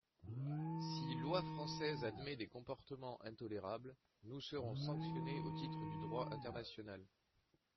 Si loi française admet des comportements intolérables, nous serons sanctionnés au titre du droit international.